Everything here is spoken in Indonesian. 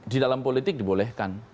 di dalam politik dibolehkan